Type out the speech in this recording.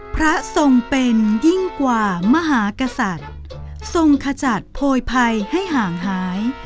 พระทรงเป็นยิ่งกว่ามหากษัตริย์ทรงขจัดโพยภัยให้ห่างหาย